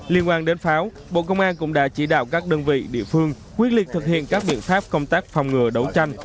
liên quan đến pháo bộ công an cũng đã chỉ đạo các đơn vị địa phương quyết liệt thực hiện các biện pháp công tác phòng ngừa đấu tranh